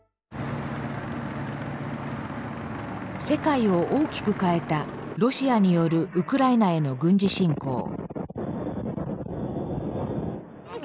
世界を大きく変えたロシアによるウクライナへの軍事侵攻。